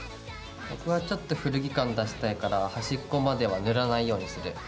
僕はちょっと古着感出したいから端っこまでは塗らないようにする。